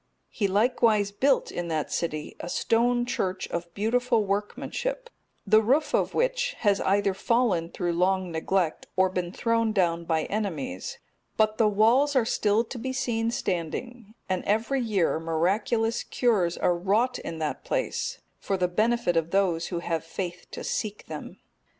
He likewise built, in that city, a stone church of beautiful workmanship; the roof of which has either fallen through long neglect, or been thrown down by enemies, but the walls are still to be seen standing, and every year miraculous cures are wrought in that place, for the benefit of those who have faith to seek them.